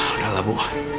udah lah bu